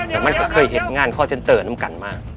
แต่มันก็เคยเห็นงานคอร์เซ็นเตอร์น้ำกันมาก